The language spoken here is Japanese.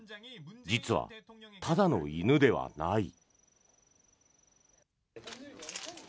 実は、ただの犬ではない。